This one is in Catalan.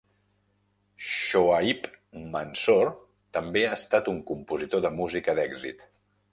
Shoaib Mansoor també ha estat un compositor de música d'èxit.